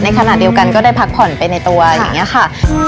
ขณะเดียวกันก็ได้พักผ่อนไปในตัวอย่างนี้ค่ะ